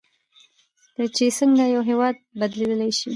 چې څنګه یو هیواد بدلیدلی شي.